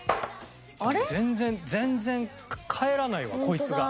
全然全然返らないわこいつが。